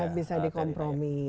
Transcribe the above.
sangat bisa dikompromi